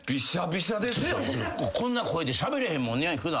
こんな声でしゃべれへんもんね普段。